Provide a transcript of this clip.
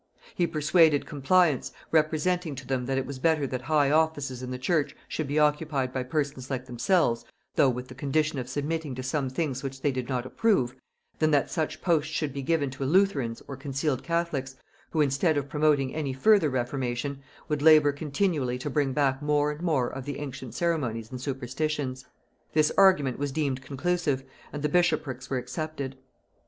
He persuaded compliance, representing to them that it was better that high offices in the church should be occupied by persons like themselves, though with the condition of submitting to some things which they did not approve, than that such posts should be given to Lutherans or concealed catholics, who, instead of promoting any further reformation, would labor continually to bring back more and more of the ancient ceremonies and superstitions. This argument was deemed conclusive, and the bishoprics were accepted.